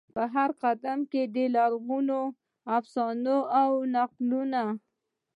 په هرقدم کې د لرغونو افسانو او د نکلونو،